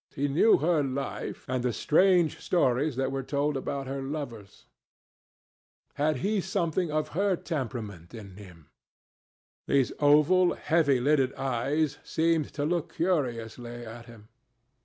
He knew her life, and the strange stories that were told about her lovers. Had he something of her temperament in him? These oval, heavy lidded eyes seemed to look curiously at him.